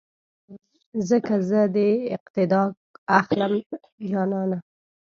ځکه زه دې اقتیدا اخلم جانانه